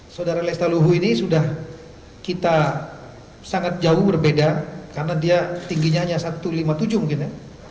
saudara lesta luhu ini sudah kita sangat jauh berbeda karena dia tingginya hanya satu ratus lima puluh tujuh mungkin ya